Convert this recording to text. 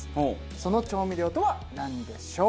その調味料とはなんでしょう？